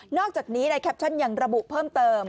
อกจากนี้ในแคปชั่นยังระบุเพิ่มเติม